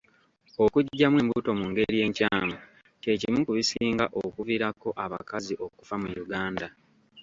Okuggyamu embuto mu ngeri enkyamu kye kimu ku bisinga okuviirako abakazi okufa mu Uganda.